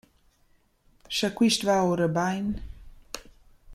«Scha quist va oura bain?»